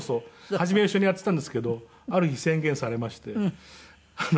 初めは一緒にやっていたんですけどある日宣言されまして。